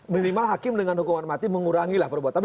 minimal hakim dengan hukuman mati mengurangilah perbuatannya